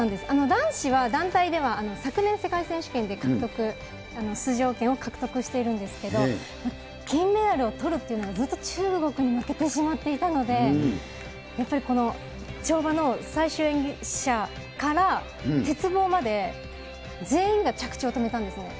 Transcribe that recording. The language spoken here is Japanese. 男子は団体では昨年、世界選手権で獲得、出場権を獲得しているんですけれども、金メダルをとるというのはずっと中国に負けてしまっていたので、やっぱりこの跳馬の最終演技者から、鉄棒まで全員が着地を止めたんですね。